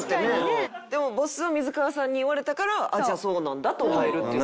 でもボスはミズカワさんに言われたからじゃあそうなんだって思えるっていう事。